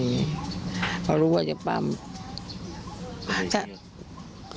อันนี้ผู้หญิงบอกว่าช่วยด้วยหนูไม่ได้เป็นอะไรกันเขาจะปั้มหนูอะไรอย่างนี้